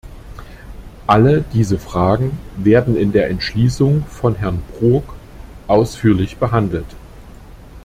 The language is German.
Alle diese Fragen werden in der Entschließung von Herrn Brok ausführlich behandelt.